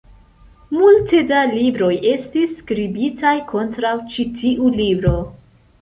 Multe da libroj estis skribitaj kontraŭ ĉi tiu libro.